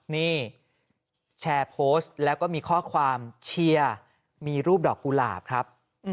นี่แชร์โพสต์แล้วก็มีข้อความเชียร์มีรูปดอกกุหลาบครับ